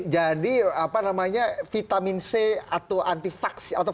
jadi vitamin c atau